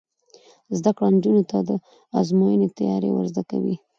زده کړه نجونو ته د ازموینې تیاری ور زده کوي.